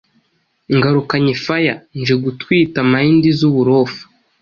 Ngarukanye fire nje gutwita mind zuburofa